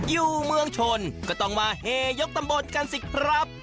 อยู่เมืองชนก็ต้องมาเฮยกตำบลกันสิครับ